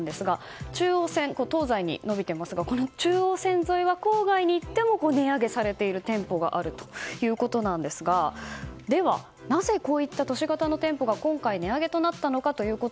中央線、東西に延びていますが中央線沿いは郊外に行っても値上げされている店舗があるということですがなぜこういった都市型の店舗が今回値上げになったのか。